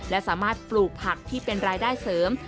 และสามารถปลูกผักที่เป็นรายได้เสริม